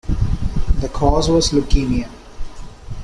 The cause was leukemia.